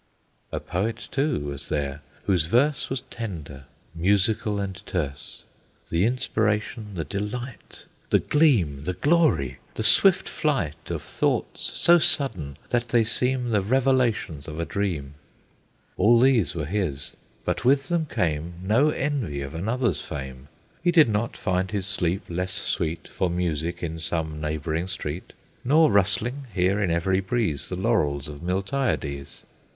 A Poet, too, was there, whose verse Was tender, musical, and terse; The inspiration, the delight, The gleam, the glory, the swift flight, Of thoughts so sudden, that they seem The revelations of a dream, All these were his; but with them came No envy of another's fame; He did not find his sleep less sweet For music in some neighboring street, Nor rustling hear in every breeze The laurels of Miltiades.